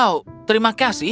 oh terima kasih